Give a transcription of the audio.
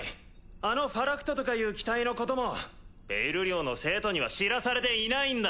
あのファラクトとかいう機体のこともペイル寮の生徒には知らされていないんだ。